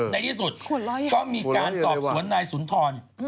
ในที่สุดก็มีการสอบสวนนายสุนทร